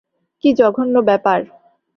কী জঘন্য ব্যাপার!